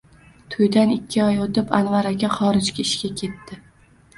To`ydan ikki oy o`tib, Anvar aka xorijga ishga ketdi